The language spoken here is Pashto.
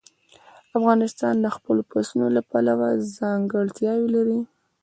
افغانستان د خپلو پسونو له پلوه ځانګړتیاوې لري.